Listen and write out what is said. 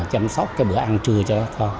chăm sóc cái bữa ăn trưa cho các con